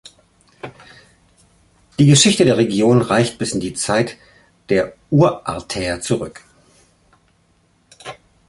Die Geschichte der Region reicht bis in die Zeit der Urartäer zurück.